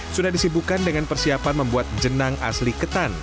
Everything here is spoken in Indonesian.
sudah disibukan dengan persiapan membuat jenang asli ketan